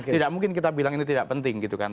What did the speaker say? tidak mungkin kita bilang ini tidak penting gitu kan